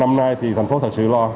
năm nay thì thành phố thật sự lo